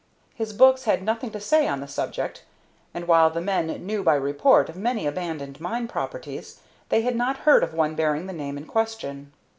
His books had nothing to say on the subject, and, while the men knew by report of many abandoned mining properties, they had not heard of one bearing the name in question.